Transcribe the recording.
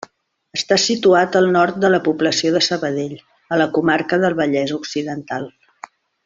Està situat al nord de la població de Sabadell, a la comarca del Vallès Occidental.